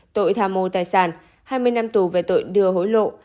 tội tham mô tài sản hai mươi năm tù về tội đưa hối lộ